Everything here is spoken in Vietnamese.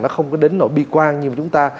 nó không có đến nổi bi quan như chúng ta